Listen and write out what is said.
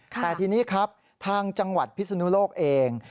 แต่ทีนี้ครับทางจังหวัดพิศนุโลกเอง